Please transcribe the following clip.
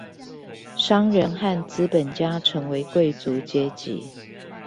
商人和資本家成為貴族階級